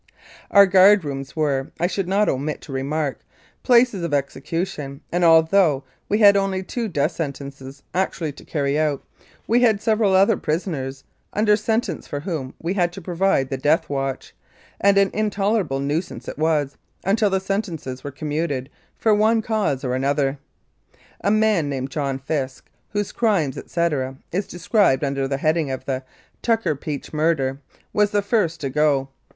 Our guard rooms were, I should not omit to remark, places of execution, and although we had only two death sentences actually to carry out, we had several other prisoners under sentence for whom we had to provide the "death watch," and an intolerable nuisance it was, until the sentences were commuted for one cause or another. A man named John Fisk, whose crime, etc., is de scribed under the heading of the "Tucker Peach Murder,"* was the first to go.